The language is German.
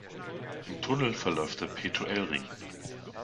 Im Tunnel verläuft der Petuelring.